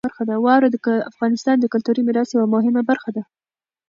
واوره د افغانستان د کلتوري میراث یوه مهمه برخه ده.